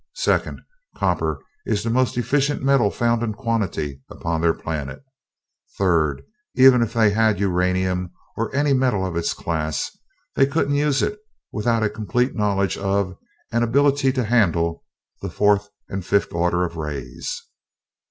Second, copper is the most efficient metal found in quantity upon their planet. Third, even if they had uranium or any metal of its class, they couldn't use it without a complete knowledge of, and ability to handle, the fourth and fifth orders of rays."